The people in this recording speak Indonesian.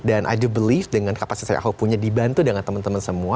and i do believe dengan kapasitas yang aku punya dibantu dengan temen temen semua